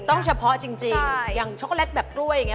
เฉพาะจริงอย่างช็อกโกแลตแบบกล้วยอย่างนี้